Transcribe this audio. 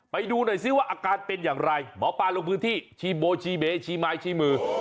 ไปดูหน่อยซิว่าอาการเป็นอย่างไรหมอปลาลงพื้นที่ชีโบชีเบชี้ไม้ชี้มือ